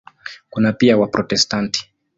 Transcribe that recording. Kuna pia Waprotestanti.